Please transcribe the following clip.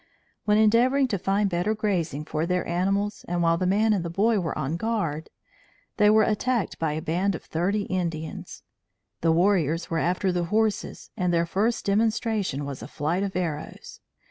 When endeavoring to find better grazing for their animals and while the man and boy were on guard, they were attacked by a band of thirty Indians. The warriors were after the horses and their first demonstration was a flight of arrows.